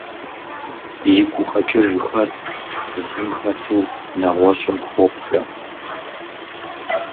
И гукъэкӀыжхэр зым хэту нэгъуэщӀым хопкӀэ.